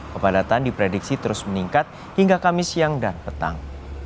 kepadatan diprediksi terus meningkat hingga kamis siang dan petang